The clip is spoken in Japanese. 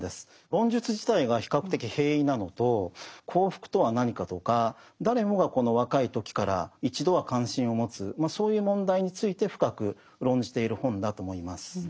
論述自体が比較的平易なのと幸福とは何かとか誰もが若い時から一度は関心を持つそういう問題について深く論じている本だと思います。